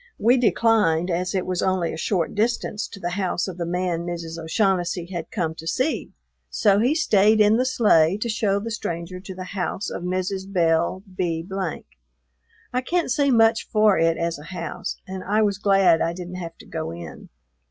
We declined, as it was only a short distance to the house of the man Mrs. O'Shaughnessy had come to see, so he stayed in the sleigh to show the stranger to the house of Mrs. Belle B . I can't say much for it as a house, and I was glad I didn't have to go in.